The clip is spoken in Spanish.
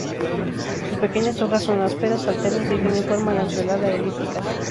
Sus pequeñas hojas son ásperas, alternas y tienen forma lanceolada-elípticas.